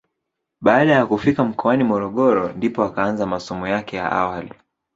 Baada ya kufika mkoani Morogoro ndipo akaanza masomo yake ya awali.